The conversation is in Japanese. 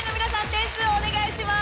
点数をお願いします。